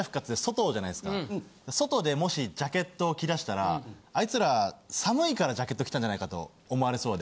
外でもしジャケットを着だしたら「あいつら寒いからジャケット着たんじゃないか」と思われそうで。